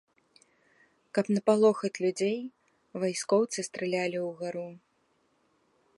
Каб напалохаць людзей, вайскоўцы стралялі ўгару.